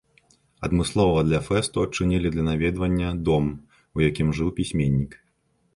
Адмыслова для фэсту адчынілі для наведвання дом, у якім жыў пісьменнік.